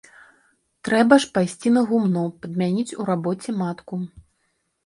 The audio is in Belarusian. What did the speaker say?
Трэба ж пайсці на гумно, падмяніць у рабоце матку.